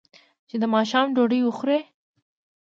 چې د ماښام ډوډۍ وخوري.